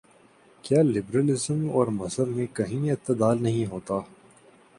کیا liberalism اور مذہب میں کہیں اعتدال نہیں ہوتا؟